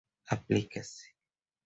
aplica-se